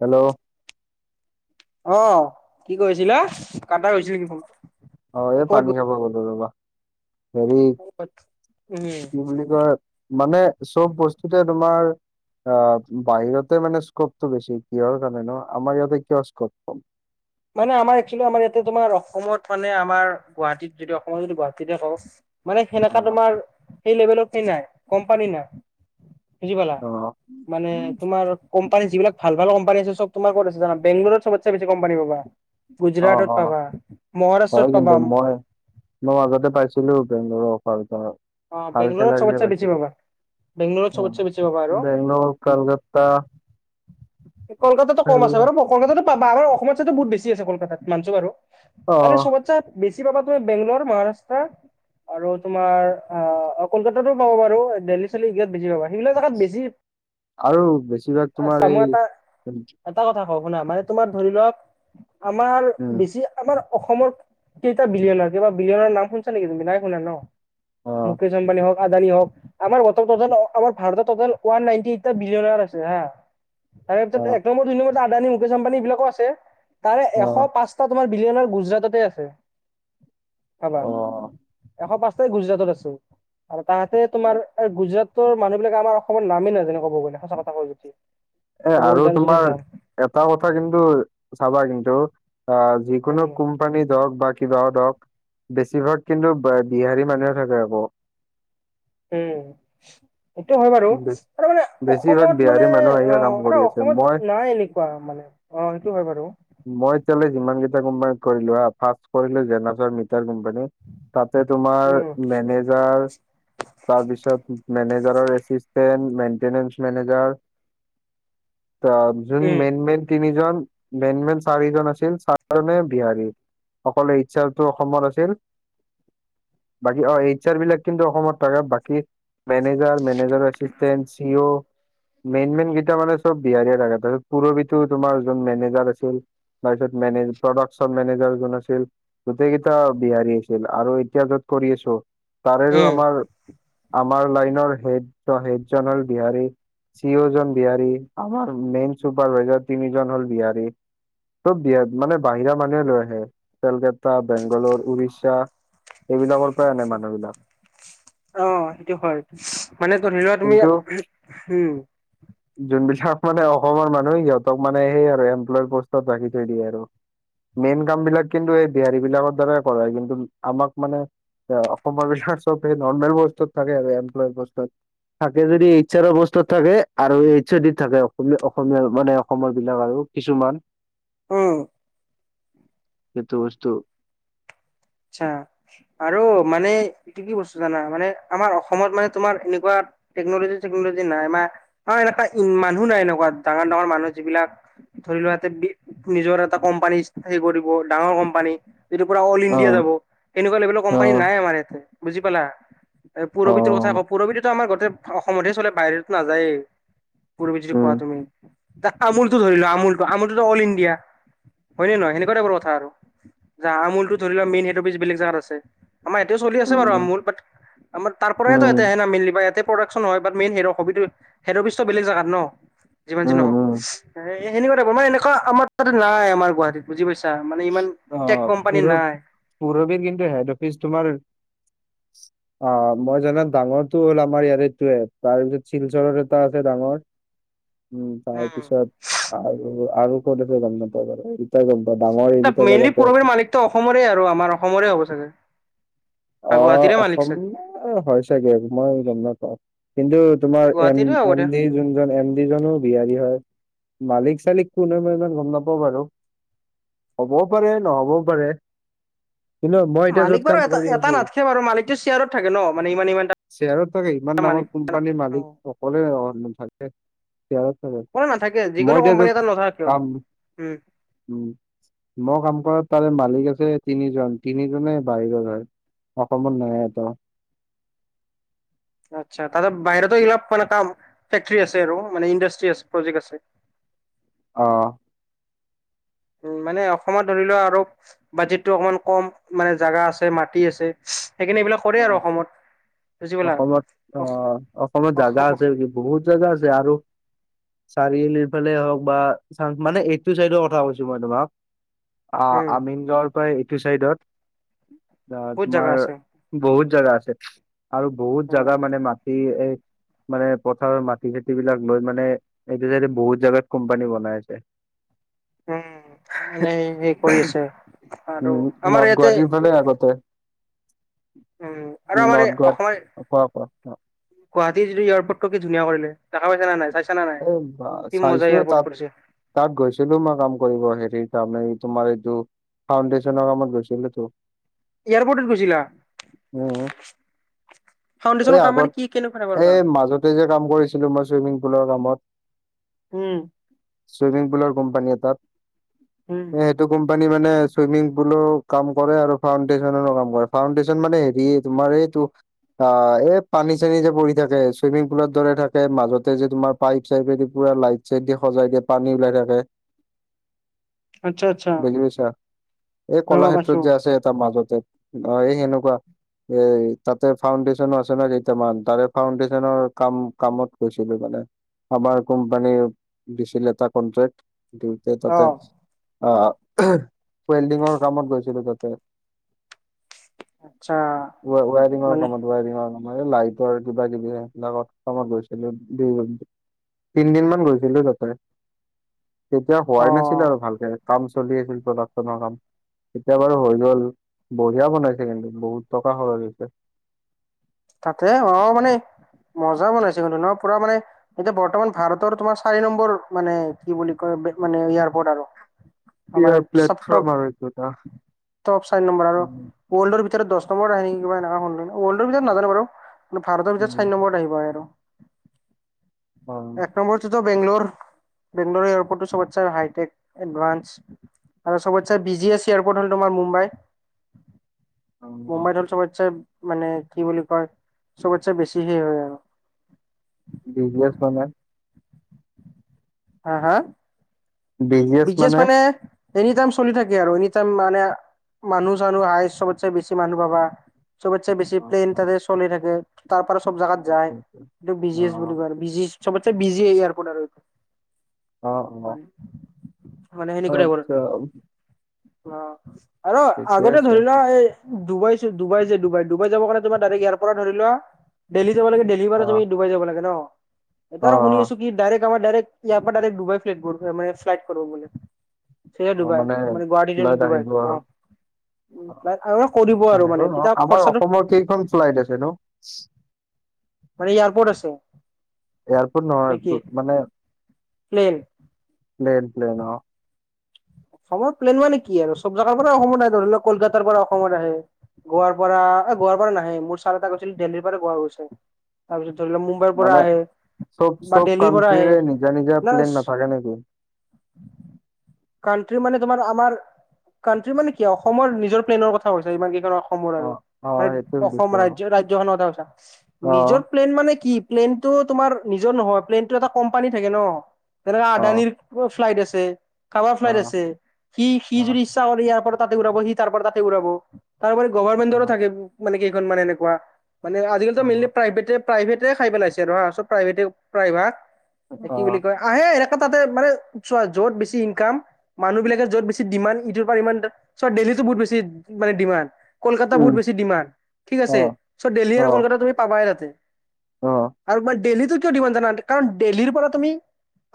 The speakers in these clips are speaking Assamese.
হেল্ল অ কি কৈছিলা কাটা গৈছিল নেকি ফোন অ এ ক'বাত পানী গৈ খাব গলো ৰবা হেৰি উম, কি বুলি কয় মানে চব বস্তুতে তোমাৰ অ বাহিৰতে মানে স্কপটো বেছি কিহৰ কাৰণে ন আমাৰ ইয়াতে কিয় স্কপ কম মানে আমাৰ একচুৱেলি আমাৰ ইয়াতে তোমাৰ অসমত মানে আমাৰ গুৱাহাটীত যদি অসমত যদি গুৱাহাটীতে কওঁ মানে অ সেনেকা তোমাৰ সেই লেভেলত নাই কোম্পানী নাই বুজি পালা অ মানে তোমাৰ কোম্পানী যিবিলাক ভাল ভাল কোম্পানী আছে চব তোমাৰ ক'ত আছে জানা বেংগলোৰ চবতচে বেছি কোম্পানী পাবা অ গুজৰাটত অ পাবা, হয় মহাৰাষ্ট্ৰত কিন্তু পাবা, মই মই মাজতে পাইছিলো বেংগলোৰ অফাৰ এটা অ', ভাল বেংগলৰত চেলাৰি চবতচে বেছি পাবা। বেংগলৰত পাইছিলো অ চবতচে বেছি পাবা আৰু। বেংগলোৰ কলগত ত কলকাতাটো কম আছে বাৰু কলকাতাতো পাবা আমাৰ অসমৰ ছাইতো বহুত বেছি আছে কলকাতাত মানছো বাৰু অ মানে চবতচে বেছি পাবা তুমি বেংগলোৰ মহাৰাষ্ট্ৰ আৰু তোমাৰ আহ কলকাতাতো পাবা বাৰু দেল্লী চেল্লীত বেছি পাবা সেইবিলাক জেগাত বেছি আৰু বেছিভাগ চোৱা তোমাৰ মই এই এটা এটা কথা কওঁ শুনা মানে তোমাৰ ধৰি লওক আমাৰ উম বেছি আমাৰ অসমৰ কেইটা বিলিয়নৰ কিবা বিলিয়নৰ নাম শুনিছা নেকি তুমি নাই শুনা ন অ মুকেশ আম্বানী হক আদানী হওক আমাৰ টোতেল ভাৰতৰ টোতেল ওৱান নাইটি এইট টা বিলিয়নৰ আছে হা তাৰে অ ভিতৰত এক নম্বৰ দুই নম্বৰত আদানী মুকেশ আম্বানী বিলাকো আছে তাৰে এশ পাঁচ তোমাৰ বিলিয়নৰ গুজৰাটতে আছে ভাবা অ এশ পাঁচ ত গুজৰাটত আছে আৰু তাহাতে অ তোমাৰ গুজৰাট তৰ মানুহবিলাকে আমাৰ অসমৰ নামেই নাজানে ক'ব গলে সঁচা কথা কয় যদি এ ক'ব আৰু যাম যদি তোমাৰ যাম এটা কথা কিন্তু চাবা কিন্তু আ যিকোনো উম কুম কোমপানী হওক বা কিবা হওক বেছিভাগ কিন্তু বিহাৰী মানুহে থাকে আক উম সেইটো হয় বাৰু বেছ- ত মানে বেছিভাগ অসমত বিহাৰী মানে মানুহ আহিয়ে অ কাম কৰি আৰু আছে মই অসমত নাই এনেকোৱা মানে অ সেইটো হয় বাৰু মই এতিয়ালে যিমান কেইটা কোম্পানী কৰিলো হা ফাৰ্ষ্ট কৰিলো জেছৰ মিটাৰ কোম্পানী। তাতে তোমাৰ উম মেনেজাৰ। তাৰপিছত মেনেজাৰৰ এচিতেন্ত, মেইনটেনেন্সত মেনেজাৰ। ত' যোন উম মেইন মেইন তিনিজন মেইন মেইন চাৰিজন আছিল চাৰিজনে বিহাৰী। অকললে ইচ্ছাো অসমত আছিল [unintelligible] বাকী অ' এইচাৰ বিলাক কিন্তু অসমত থাকে বাকী। মেনেজাৰ মেনেজাৰ আষ্টেণ্ট চি মেইন মেন গ [inaudible] তেতিয়া মানে চব বিহাৰীয়ে থাকে, তাৰপিছত পুৰবিতো তোমাৰ যোন মেনেজাৰ আছিল। তাৰপিছত মে প্ৰডাকচন মেনেজাৰ যোন আছিল। গোটেই কেইটা বিহাৰী আছিল আৰু এতিয়া যত কৰি আছো তাৰেৰো উম আমাৰ। আমাৰ লাইনৰ হেড হেড জন হ'ল বিহাৰী চিওজন। বিহাৰী আমাৰ মেইন চুপাৰভাইজাৰ তিনিজন হ'ল বিহাৰী। চব বি মানে বাহিৰা মানুহে লৈ আহে, কেলকাতা বেংগালৰ উৰিষ্যা। এইবিলাকৰ পৰাই আনে মানুহ বিলাক অ' সেইটো হয়, মানে ধৰি লোৱা তুমি। কিন্তু উম। যোনবিলাক মানে অসমৰ মানুহে সিহঁতক মানে সেই আৰু এমপ্লয় পষ্টত ৰাখি থৈ দিয়ে আৰু। মেইন কাম বিলাক কিন্তু এই বিহাৰী বিলাকৰ দ্বাৰাই কৰে কিন্তু আমাক মানে। এ' অসমৰ বিলাক চব সেই নৰ্মেল বস্তুত থাকে আৰু এম্লয় বস্তুত। থাকে যদি ইচ্ছাৰ অ বস্তু থাকে [unintelligible] আৰু এইচ ডিত থাকে অসমীয়া মানে অসমৰ বিলাক আৰু কিছুমান। উম। এইটো বস্তু। আচ্ছা আৰু মানে এইটো কি বস্তু জানা মানে আমাৰ অসমত মানে তোমাৰ এনেকুৱা। টেকনলজি ঠেকনলজি নাই, এনেকুৱা মানুহ নাই এনেকুৱা ডাঙৰ ডাঙৰ মানুহ যিবিলাক। ধৰি লোৱা সতে নিজৰ এটা কোম্পানী হেৰি কৰিব ডাঙৰ কোম্পানী যিটো পুৰা। দিয়া অ', যাব এনেকুৱা লেভেলৰ কোম্পানী অ', নাই আমাৰ ইয়াতে বুজি পালা? এ' পুৰৰবিতৰ কথা অ', কওঁ পুৰৰবিততো আমাৰ গোটতে অসমতহে চলে বাহিৰতো নাযায়েই। পোৰৰ বিজলিত পোৱা উম, তুমি [unintelligible] আমুলটো ধৰিলোৱা আমুলটো আমুলটোতো অল ইণ্ডিয়া হয় নে নহয় সেনেকুৱা এটা বোৰ কথা আৰু। যা আমুলটো ধৰি লোৱা মেইন সেইটো বছ বেলেগ জেগাত আছে, আমাৰ ইয়াতেও চলি আছে উম, বাৰু আমুল ব। আমাৰ তাৰ পৰাই তো এয়াতে উম, সেনা মিলিবা ইয়াতে। প্ৰডাকচন হয় বাত মেইন হেদ অফিচতো বেলেগ জেগাত ন যিমান যি উম, নহওক। উম। এ'সেনেকুৱা মানে এনেকুৱা আমাৰ তাতে নাই আমাৰ গুৱাহাটীত বুজি পাইছ মানে ইমান টেক কোম্পানী নাই। পৰবীৰ কিন্তু হেড অফিচ তোমাৰ। অ' মই জানাম ডাঙৰটো হ'ল আমাৰ ইয়াৰেটোৱে তাৰপিছত শিলচৰৰ এটা আছে ডাঙৰ। উম, তাৰ পিছত আৰু আৰু ক'ত আছে গম নাপাওঁ বাৰু ইটাই গম পাওঁ ডাঙৰ। এইকেইটা মেইনলি জেগাতে আছে পৰহীৰ মালিকতটো অসমৰে আৰু আমাৰ অসমৰে হ'ব চাগে। অ' গুৱাহাটীৰে মালিক চাগে অসমীয়া হয় চাগে মই গম নাপাও কিন্তু। তোমাৰ এম গুৱাহাটীৰে হ'ব এম দিয়া ডি যোনজন, এম ডি জনো। বিহাৰী হয়, মালিক চালিক কোন হয় মই ইমান গম নাপাও বাৰু। হ'বও পাৰে নহ'বও পাৰে। কিন্তু মই এতিয়া মালিক যত বাৰু কাম এটা কৰি এটা আছো। নাথাকে বাৰু মালিকটো শ্বেয়াৰত থাকে ন মানে ইমান ইমান শ্বেয়াৰত থাকে ইমান ডাঙৰ মালিক কোম্পানীৰ অ মালিক। অকলে অ থাক [unintelligible] কোনো নাথাকে যিকোনো মই এতিয়া কোম্পানী যাম এটাত নাথাকে কিয় কাম। উম উম, মই কাম কৰ তাৰে মালিক আছে তিনিজন, তিনিজনে বাহিৰত হয়। অসমত নোৱাই আক। আচ্ছা তাতে বাহিৰতো এইলপ মানে কাম ফেকটৰী আছে আৰু মানে ইণ্ডাষ্ট্ৰি আছে প্ৰজেক্ট আছে। অ। উম মানে অসমত ধৰি লোৱা আৰু বাজেটতটো অকমান কম মানে জাগা আছে মাটি আছে। সেইকাৰণে এইবিলাক কৰে আৰু অ', অসমত। বুজি পালা অসমত অ অস অসমত অস জাগা অস আছে [inaudible] বহুত জাগা আছে আৰু। চাৰিআলিৰফালে হওক বা মানে এইটো চাইডৰ কথা কৈছো মই তোমাক। অ উম আমিন গাঁৱৰ পৰা এইটো চাইডত। আ বহুত জাগা তোমাৰ আছে বহুত জাগা আছে। আৰু বহুত উম জাগা মানে মাটি এ। মানে পথাৰৰ মাটি চাতি বিলাক লৈ মানে এইটো চাইডে বহুত জাগাত কোম্পানী বনাই আছে। উম মানে সেই সে কৰি আছে আৰু উম, নৰ্থ আমাৰ ইয়াতে। গুৱাহাটীৰ ফালে আগতে উম আৰু আমাৰ এই অসমৰ [unintelligible] গুৱাহাটী যিতো এয়াৰপৰ্টো কি ধুনীয়া কৰিলে দেখা পাই চা না নাই। না নাই এ বা কি মজা চাইছোও এয়াৰপৰ্ট তাত। কৰিছে তাত গৈছিলো মই কাম কৰিব হেৰি কাম তোমাৰ এইটো। ফাউণ্ডেশচন হামত গৈছিলো ত। এয়াৰপৰ্টত গৈছিলা। উম এই ফাউণ্ডেশনৰ কাম আগত মানে কি কেনেকুৱা টাইপৰ এই কাম। মাজতে যে কাম কৰিছিলো মই চুইমিং পুলৰ কামত। উম। চুইমিং পুলৰ কোম্পানী উম এটাত সেইটো কোম্প। পানী মানে চুইমিং পুলৰ কাম কৰে আৰু ফাউণ্ডেছনৰ কাম কৰে ফাউণ্ডেছনৰ মানে হেৰি তোমাৰ এইটো। অ এই পানী চানী যে পৰি থাকে চুইমিং পুলৰ দৰে থাকে মাজতে যে তোমাৰ। পাইপ চাইপেদি পুৰা লাইট চাইট দি সজাই দিয় পানী ওলাই থাকে। আচ্ছা আচ্ছা বুজি পাইছা এই অ' পাইছো কলাক্ষেত্ৰত যে আছে এাটা মাজতে। অ সেই সেনেকুৱা। এই তাতে ফাউণ্ডেচনৰ আছে ন কেইটামান তাৰে ফাউণ্ডেছনৰ কাম কামত গৈছিলো মানে। আমাৰ কোম্পানী দিছিল এটা কনট্ৰেক্ট দিওঁতে তাতে। অ' অ অয়েল্ডিঙৰ কামত গৈছিলো তাতে। আচ্ছা ৱা ৱাৰিঙৰ মানে কামত। ৱাৰিঙৰ লাইটৰ কিবা কিবি সেইবিলাক কামত গৈছিলো [inaudible] তিন দিন মান গৈছিলো তাতে তেতিয়া হোৱাই নাছিলে অ' আৰু ভালকে কাম। চলি আছিল প্ৰডাকচনৰ কাম। এতিয়া বাৰু হৈ গ'ল বঢ়িয়া বনাইছে কিন্তু বহুত টকা সৰজ হৈছে। তাতে অ মানে মজা বনাইছে ন পুৰা মানে। এতিয়া বৰ্তমান ভাৰতৰ তোমাৰ চাৰি নম্বৰ মানে কি বুলি কয় মানে এয়াৰপৰ্ট আৰু। মানে ইয়াৰ চব টপ প্লেটফৰ্ম আৰু এইটো এটা উম। ৱৰ্লডৰ ভিতৰত দহ নম্বৰ আহে কা এনেুৱ ৱল্ডৰ ভিতৰত নাজান বাৰু। ভাৰৰ ভিতৰত চাৰি নম্বৰৰত আহিব আৰু। উম অ এক নম্বৰ টোত বেংলৰ বেংলৰ এয়াৰপৰ্টটো চব হাইটেক এডভানস। আৰু চবত চে বিজি এছ এয়াৰপৰ্ট হল তোমাৰ মুম্বাই। মুম্বাইত হ'ল চবতছে মানে কি বুলি কয় চবতচে বেছিহে হয় আৰু। বিজি এছ মানে। হা হা বিজিএছ মানে। এনি টাইম চলি থাকে আৰু এনি টাইম মানে, মানুহ- চানুহ আহিছ চবতে বেছি মানুহ পাবা। চবতচে বেছি অ প্লেইন তাতে চলি থাকে। তাৰপৰা চব জাগাত যায়। এইটো বি জি এছ বুলি কয় আৰু বি জি এছ চবতচে বিজি এয়াৰপট আৰু। অহ্, মানে অহ্ আচ্ছা। অঁ, আৰু ঠিকে আগতে আছে ধৰিলোৱা এই ডুবাই চে ডুবাই যে ডুবাই ডুবাইত যাব কাৰণে তোমাৰ ডাইৰেক্ট ইয়াৰ পৰা ধৰিলোৱা দেলহি যাবে লাগে, দেলহি অ সেইবাবে তুমি ডুবাই যাব লাগে ন'? এটা অ আৰু শুনিছো কি ডাইৰেক্ট আমাৰ, ডাইৰেক্ট ইয়াৰ পৰা ডাইৰেক্ট ডুবাই ফ্লেইটবোৰ মানে ফ্লাইটকৰো বুলি। সেইয়াই ডুবাই মানে গুৱাহাটীৰ টু ফ্লাইট ডুবাই, আহিব আৰু অঁ। উম, অ' তাক আৰু এবাৰ কৈ দিব আৰু আহিব মানে ন তেতিয়া আমাৰ খৰচাটো অসমৰ কেইখন ফ্লাইট আছে ন'? মানে এয়াৰপৰ্ট আছে। এয়াৰপৰ্ট নে কি নহয় মানে প্লেন। প্লেন, প্লেন অ। অসমৰ প্লেন মানে কি আৰু চব জাগাৰ পৰা অসমত আহে। ধৰিলওক কলকাতাৰ পৰা অসমলে আহে। গোৱাৰ পৰা, এ গোৱাৰ পৰা নাহে। মোৰ ছাৰ এটাই কৈছিল দেল্লীৰ পৰা গোৱা হৈ গৈছে। তাৰপিছত ধৰিলোৱা মুম্ব মুম্বাই পৰা মানে আহে চব বা দিল্লীৰ পৰা আহে, প্লাছ থাকে নেকি? [unintelligible] কাউন্টি মানে তোমাৰ আমাৰ কাউন্টি মানে কি আও অসমৰ নিজৰ প্লেনৰ কথা কৈছা যিমান কেইখন অস অসমৰ অ আৰু অ মানে সেইটো অসম সুধিছো ৰাজ্য ৰাজ্যখনৰ কথা কৈছা? অ নিজৰ প্লেন মানে কি? প্লেনটো তোমাৰ নিজৰ নহয় প্লেনটো এটা কোম্পানী থাকে ন'। যেনেকা অ আদানিৰ ক 'ফ্লাইট আছে, কাবাৰ অ অ ফ্লাইট আছে সি সি যদি ইচ্ছা কৰি ইয়াৰ পৰা তাতে উৰাব, সি তাৰ পৰা তাতে উৰাব। তাৰউপৰি অ অ গভৰ্মেণ্টৰো থাকে। মানে কেইখন মানে এনেকুৱা। মানে, আজি-কালিটো মেইনলি অ প্ৰাইভেটে প্ৰাইভেটে খাই পেলাইছে আৰু হাঁ। চব প্ৰাইভেটে প্ৰাইভাগ কি বুলি অ' কয় আহে এনেকা তাতে মানে চোৱা য'ত বেছি ইনকাম মানুহবিলাকে য'ত বেছি ডিমাণ্ড দিব পাৰে সিমান চ' দেলহীটো বহুত বেছি মানে ডিমাণ্ড। কলকাতা বহুত উম বেছি ডিমাণ্ড ঠিক অ আছে। চ' দেলহীৰ অ আৰু কলকাতা তুমি পাবাই তাতে। অ আৰু মই দেলহীৰটো কিয় দিব নাজানা আনকি কাৰণ দেলহীৰ পৰা তুমি,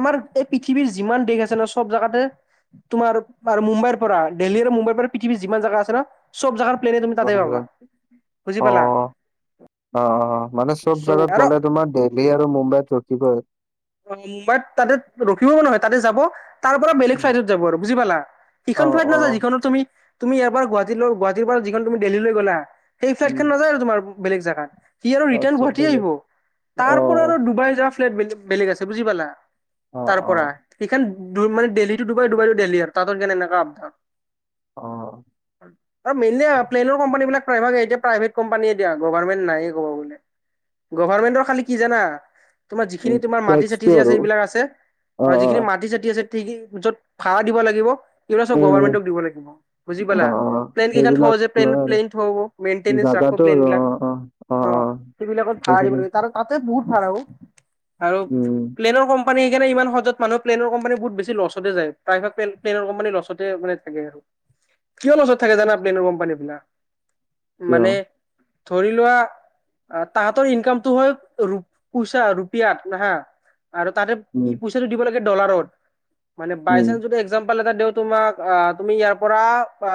আমাৰ এই পৃথ পৃথিৱীৰ যিমান দেশ আছে ন' চব জাগাতে তোমাৰ আৰু মুম্বাইৰ পৰা। দেল্হী আৰু মুম্বাইৰ পৰা পৃথিৱী যিমান জাগা আছে ন' চব জাগাৰ প্লেনে তুমি তাতে পাবা। অ', বুজি পালা? অঁ, অঁ মানে চব চ' জাগাত আৰু গ'লে তোমাৰ দেলহী আৰু মুম্বাইত ৰখিবই। অ মুম্বাইত তাতে ৰখিবও নহয় তাতে যাব। তাৰপৰা বেলেগ ফ্লাইটত যাব আৰু বুজি পালা? সিইখন অ', ফ্লাইট নাযায়, অ', যিখনত তুমি তুমি ইয়াৰ পৰা গুৱাহাটীলৈ গুৱাহাটীৰ পৰা যিখন তুমি দেলহীলৈ গ'লা। সেই ফ্লাইটখন উম, নযায় আৰু তোমাৰ বেলেগ জেগাত। সি আৰু ৰিটাৰ্ণ আচ্ছা উভতি বেলেগ আহিব। তাৰপৰা আৰু অ'। ডুবাই যোৱা ফ্লাইট বেলে বেলেগ আছে। বুজি পালা? অ', তাৰপৰা, অ', সিখন ডু মানে দেলহী টো ডুবাই ডুবাই টো দেলহী আৰু তাহাঁতৰ কাৰণে এনেকা আ অ', আ মেইনলী আ প্লেনৰ কোম্পানীবিলাক প্ৰায়ভাগ এতিয়া প্ৰাইভেট কোম্পানীয়ে দিয়া। গভাৰ্মেণ্ট নাইয়ে ক'ব গ'লে। গভাৰ্মেণ্টৰ খালি কি জানা? উম খিনি তোমাৰ মাটি-চাতি টেক্সটো যে আৰু আছে এইবিলাক আছে। অ যিখিনি মাটি -চাতি আছে মাটিখিনি য'ত ভাড়া দিব লাগিব। এইবিলাক চব উম গভাৰ্মেণ্টক দিব লাগিব। বুজি অ পালা? অ প্লেনকেইখন থওঁ সেইবিলাক যে লয় আৰু প্লেন--প্লেন থব মেইণ্টেনেছ ৰাখো জাগাটো প্লেন অ', বিলাক। অ', অ', অ অঁ, সেইবিলাকত ভাড়া দিব সেইখিনি লাগে। তাতে তাতে বহুত ভাড়া অ'। আৰু উম, প্লেনৰ কম কম্পানী সেইকাৰণে ইমান সহজত মানুহ প্লেনৰ কম্পানীৰ বহুত বেছি ল'ছটে যায়। প্ৰায়ভাগ প্লেন প্লেনৰ কোম্পানীৰ ল'ছতে মানে থাকে আৰু। [inaudible] কিয় লচত থাকে জানা প্লেনৰ কোম্পানী বিলাক? কিয় মানে ধৰি লোৱা তাহাঁতৰ ইনকামটো হয় ৰো পইচা ৰূপ ৰুপিয়াত হা, আৰু তাহাঁতে উম, কি পইচাটো দিব লাগে ডলাৰত মানে উম, বাইচেন্স যদি এক্সাম্পল এটা দিওঁ তোমাক অ তুমি ইয়াৰ পৰা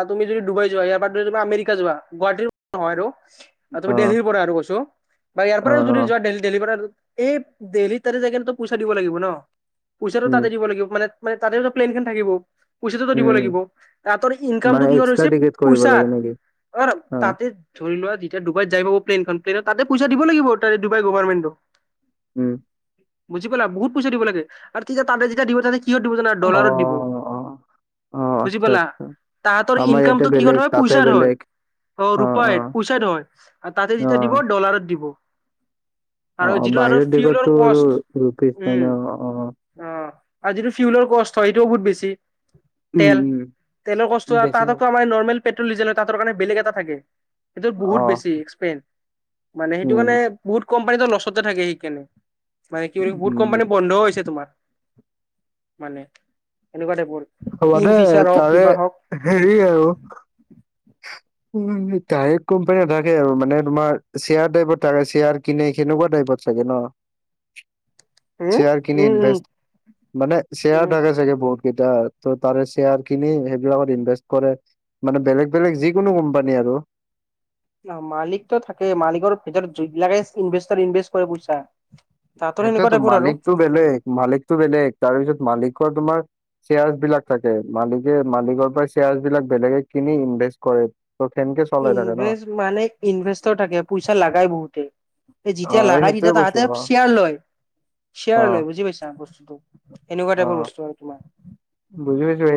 তুমি যদি ডুবাই যোৱা ইয়াৰ পৰা যদি তুমি আমেৰিকা যোৱা গুৱাহাটীৰ নহয় আৰু। আৰু তুমি অ', দেল্হিৰ পৰা আৰু কৈছোঁ, বা ইয়াৰ অ', অ পৰাও যদি যোৱা দেলহি দেলহিৰ পৰা এই দেলহিত তাতে যায় কিনে ত পইচা দিব লাগিব ন, পইচাটো উম, তাতে দিব লাগিব মানে মানে তাতেওটো প্লেনখন থাকিব পইচাটোত দিব লাগিব, উম। তাহঁতৰ মানে ইনকামটো কিহত এক্সট্ৰা হৈছে টিকেট কৰিব লাগে পইচাত, নেকি? অ তাহাঁতে ধৰি লোৱা যেতিয়া ডুবাইত যাই পাব প্লেনখন প্লেনত ততে পইচা দিব লাগিব তাৰে ডুবাই গভাৰমেণ্টক উম। বুজি পালা বহুত পইচা দিব লাগে, আৰু তেতিয়া তাতে যেতিয়া দিব তাতে কিহত দিব জানা? অ', ডলাৰত দিব। অ', অ', বুজি আচ্ছা, পালা? আচ্ছা। তাহাঁতৰ আমাৰ ইয়াতে ইনকামটো কিহত বেলেগ হয় তাতে পইচাত হয়। বেলেগ অ ৰূপাই পইচাত হয়, তাহাঁতে অ যেতিয়া দিব ডলাৰত দিব অ আৰু যিটো আৰু বাহিৰৰ দেশত ফিউলৰ টো আৰু ৰূপিত নহয় ন অ অ। অঁ আৰু যিটো ফিউলৰ কষ্ট হয় সেইটোও বহুত বেছি। উম তেল উম তেলৰ কষ্টটো আৰু বেছি তাত আকো আমাৰ নৰ্মেল পেট্ৰল ডিজেল নহয়, তাহাঁতৰ কাৰণে বেলেগ এটা থাকে। সেই অ বহুত বেছি এক্সপেন, মানে সেইটো উম কাৰণে বহুত কোম্পানী ত লছ তে থাকে সেই কেনে, মানে কি বুলি বহুত উম কোম্পানী বন্ধও হৈছে তোমাৰ। মানে এনেকুৱা টাইপৰ। কিং মানে ফিচাৰ হওক তাৰে কিবা হওক হেৰি আৰু ডাইৰেক্ট কোম্পানী নাথাকে আৰু মানে তোমাৰ শ্বেয়াৰ টাইপত থাকে শ্বেয়াৰ। কিনে কেনেকুৱা টাইপত চাগে ন? উম শ্বেয়াৰ কিনি উম উম ইনভেষ্ট মানে শ্বেয়াৰ উম থাকে চাগে বহুত কেইটা আৰু। ত' তাৰে শ্বেয়াৰ কিনি সেইবিলাকত ইনভেষ্ট কৰে, মানে বেলেগ বেলেগ যিকোনো কোম্পানী আৰু। মালিকতো থাকে মালিকৰ ভিতৰত যোন বিলাকে ইনভেষ্টাৰ ইনভেষ্ট কৰে পইচা তাহাঁতৰ সেনেকুৱা সেইটোৱেতো টাইপৰ আৰু মালিকটো বেলেগ মালিকতো বেলেগ তাৰপিছত মালিকৰ তোমাৰ শ্বেয়াৰ্চ বিলাক থাকে, মালিকে মালিকৰ পৰা শ্বেয়াৰ্চ বিলাক বেলেগে কিনি ইনভেষ্ট কৰে। ত কেনকে চলাই থাকে ন? ইনভেষ্ট মানে ইনভেষ্টৰ থাকে পইচা লাগাই বহুতে। সেই যেতিয়া অ' এই লাগাই সেইটোৱে তেতিয়া কৈছো তাহাঁতে অ' শ্বেয়াৰ লয় শ্বেয়াৰ অ' লয়, বুজি পাইছা বস্তুটো? এনেকুৱা টাইপৰ অ' বস্তু আৰু তোমাৰ। বুজি পাইছোঁ সেই